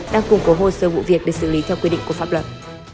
đang cung cố hồ sơ vụ việc được xử lý theo quy định của pháp luật